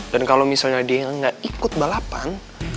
dan kalo misalnya dia gak ikut balapan